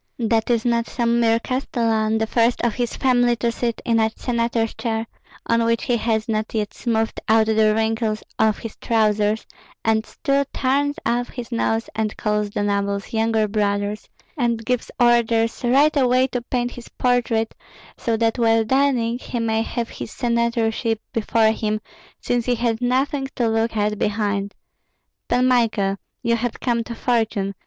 That is not some mere castellan, the first of his family to sit in a senator's chair, on which he has not yet smoothed out the wrinkles of his trousers, and still turns up his nose and calls the nobles younger brothers, and gives orders right away to paint his portrait, so that while dining he may have his senatorship before him, since he has nothing to look at behind. Pan Michael, you have come to fortune.